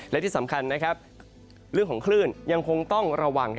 และที่สำคัญเรื่องของคลื่นยังคงต้องระวัง